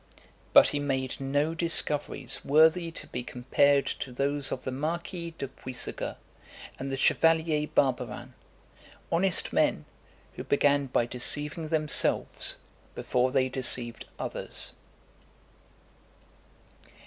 But he made no discoveries worthy to be compared to those of the Marquis de Puysegur and the Chevalier Barbarin, honest men, who began by deceiving themselves before they deceived others.